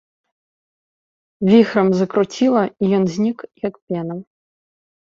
Віхрам закруціла, і ён знік, як пена.